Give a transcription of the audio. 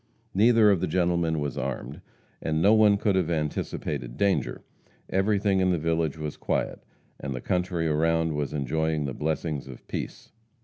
Neither of the gentlemen was armed, and no one could have anticipated danger. Everything in the village was quiet, and the country around was enjoying the blessings of peace.